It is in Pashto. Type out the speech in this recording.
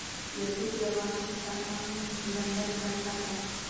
یاقوت د افغانانو د فرهنګ پیژندني برخه ده.